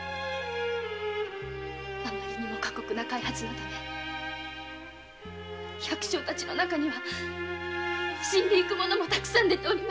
あまりにも過酷な開発のため百姓たちの中には死んで行く者もたくさん出ております。